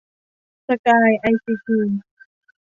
สกาย ไอซีที